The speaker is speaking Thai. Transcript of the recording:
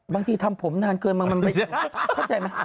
บางทีทำผมนานเกินมันไม่ถูก